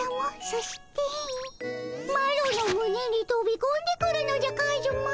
そしてマロのむねにとびこんでくるのじゃカズマ。